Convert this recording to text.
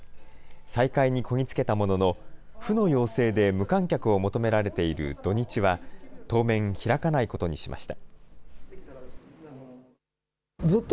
再開にこぎ着けたものの、府の要請で無観客を求められている土日は、当面、開かないことにしました。